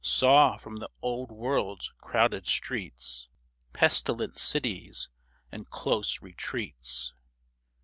Saw from the old world's crowded streets... Pestilent cities, and close retreats.